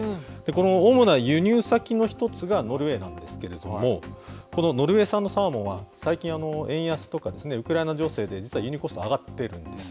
この主な輸入先の一つがノルウェーなんですけれども、このノルウェー産のサーモンは、最近、円安とかですね、ウクライナ情勢で、実は輸入コストが上がっているんです。